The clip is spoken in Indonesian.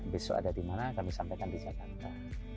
besok ada di mana kami sampaikan di jakarta